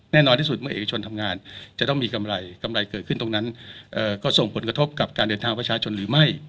แน่นอนที่สุดเมื่อเอกชนทำงานจะต้องมีกำไรกำไรเกิดขึ้นตรงนั้นก็ส่งผลกระทบกับการเดินทางประชาชนหรือไม่